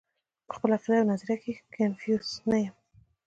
پۀ خپله عقيده او نظريه کښې کنفيوز نۀ يم -